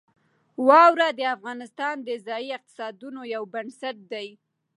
واوره د افغانستان د ځایي اقتصادونو یو بنسټ دی.